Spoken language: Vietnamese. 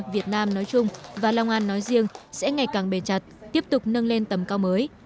việt nam nói chung và long an nói riêng sẽ ngày càng bề chặt tiếp tục nâng lên tầm cao mới